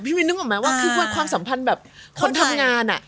วินนึกออกไหมว่าคือความสัมพันธ์แบบคนทำงานอ่ะ